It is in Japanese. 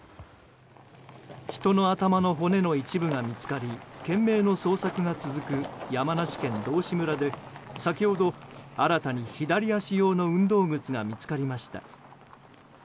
人の頭の骨の一部が見つかり懸命の捜索が続く山梨県道志村で先ほど、新たに左足用の運動靴が見つかりました。